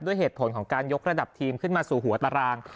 ด้วยเหตุผลของการยกระดับทีมขึ้นมาสู่หัวตาราง